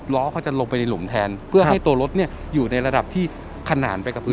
เขาจะลงไปในหลุมแทนเพื่อให้ตัวรถอยู่ในระดับที่ขนานไปกับพื้น